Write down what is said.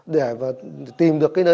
để tìm được nơi ở của sì